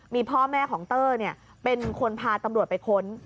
มีพ่อแม่ของเตอร์เป็นคนพาตำรวจไปค้น